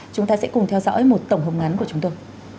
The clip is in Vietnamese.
chúng ta sẽ cùng theo dõi một tổng hợp ngắn của chúng tôi